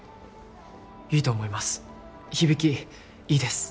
いいと思います響きいいです